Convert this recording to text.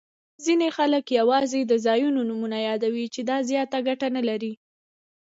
ځیني خلګ یوازي د ځایونو نومونه یادوي، چي دا زیاته ګټه نلري.